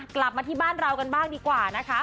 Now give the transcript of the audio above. กลับมาที่บ้านเรากันบ้างดีกว่านะคะ